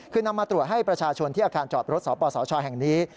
คือนำมาตรวจให้ประชาชนที่อาคารจอดรถสปสชแห่งนี้